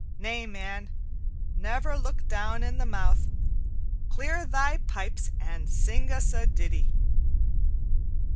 Nay, man, never look down in the mouth. Clear thy pipes and sing us a ditty."